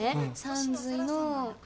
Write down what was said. さんずいの。